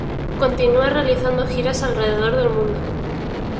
Continúa realizando giras alrededor del mundo.